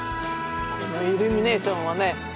このイルミネーションはね